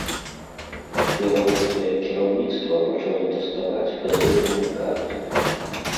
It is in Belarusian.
Беларускае кіраўніцтва пачало даставаць казырныя карты.